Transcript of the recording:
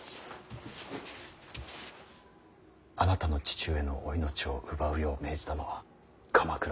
あなたの父上のお命を奪うよう命じたのは鎌倉殿です。